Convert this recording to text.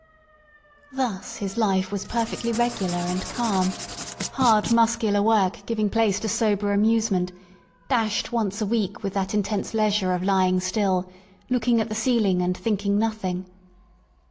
Thus his life was perfectly regular and calm ; hard muscular work giving place to sober amusement, dashed once a week with that intense leisure of lying still, looking at the ceiling and thinking nothing.